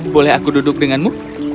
boleh aku duduk denganmu